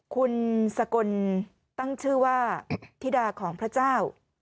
คุณสกลตั้งชื่อว่าธิดาของพระเจ้า